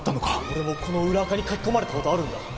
俺もこの裏アカに書き込まれた事あるんだ。